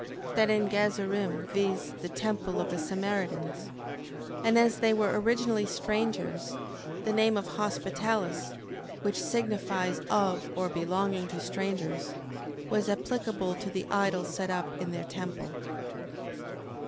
That in Gazarim... Viz., the temple of the Samaritans. And as they were originally strangers, the name of Hospitalis (which signifies of or belonging to strangers) was applicable to the idol set up in their temple.